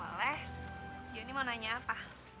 boleh jonny mau nanya apa